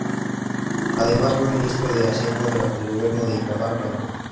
Además fue ministro de Hacienda durante el gobierno de Itamar Franco.